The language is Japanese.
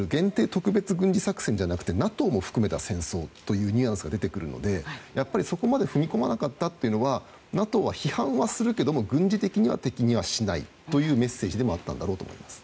特別軍事作戦じゃなくてＮＡＴＯも含めた戦争というニュアンスが出てくるのでそこまで踏み込まなかったというのはＮＡＴＯは批判はするけれども軍事的には敵にはしないというメッセージでもあったんだろうと思います。